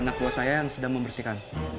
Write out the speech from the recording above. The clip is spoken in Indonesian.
anak buah saya yang sedang membersihkan